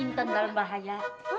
intan dalam bahaya